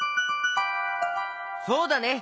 そうだね！